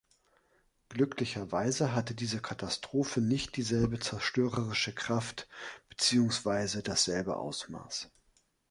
Glücklicherweise hatte diese Katastrophe nicht dieselbe zerstörerische Kraft beziehungsweise dasselbe Ausmaß.